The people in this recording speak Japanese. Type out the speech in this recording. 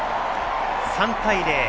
３対０。